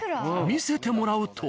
見せてもらうと。